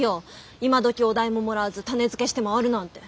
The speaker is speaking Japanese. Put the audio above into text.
今どきお代ももらわず種付けして回るなんて。